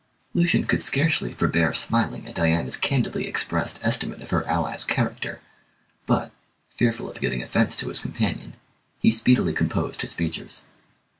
Lucian could scarcely forbear smiling at Diana's candidly expressed estimate of her ally's character, but, fearful of giving offence to his companion, he speedily composed his features.